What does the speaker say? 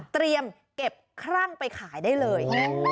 เตรียมเก็บครั่งไปขายได้เลย